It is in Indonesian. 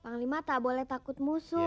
panglima tak boleh takut musuh